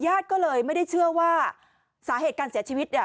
ญาติก็เลยไม่ได้เชื่อว่าสาเหตุการเสียชีวิตเนี่ย